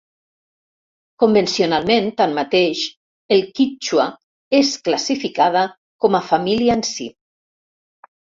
Convencionalment, tanmateix, el quítxua és classificada com a família en si.